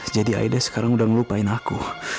jadi aida sekarang udah lupain aku